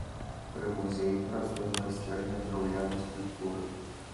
Пры музеі працуе майстэрня драўлянай скульптуры.